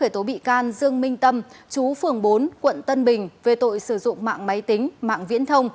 khởi tố bị can dương minh tâm chú phường bốn quận tân bình về tội sử dụng mạng máy tính mạng viễn thông